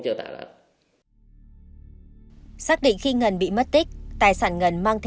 điều tra xác minh về các mối quan hệ này đến thời điểm mất tích